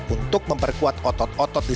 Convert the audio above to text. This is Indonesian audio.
untuk memperkuat otot otot di sekitar badan